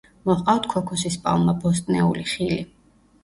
მოჰყავთ ქოქოსის პალმა, ბოსტნეული, ხილი.